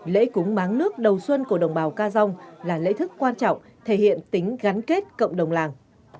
lễ cúng máng nước đầu xuân của đồng bào ca dông là lễ thức quan trọng thể hiện tính gắn kết cộng đồng làng